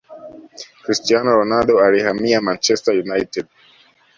cristiano ronaldo alihamia manchester united